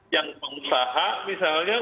yang pengusaha misalnya